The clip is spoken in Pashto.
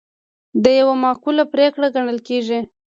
دا یوه معقوله پرېکړه ګڼل کیږي.